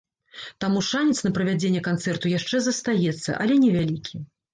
Таму шанец на правядзенне канцэрту яшчэ застаецца, але невялікі.